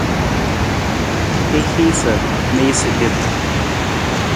I hiisa mi jasa lem.